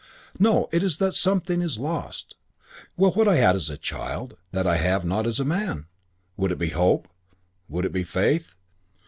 No, it is that something is lost. Well, what had I as a child that I have not as a man? Would it be hope? Would it be faith?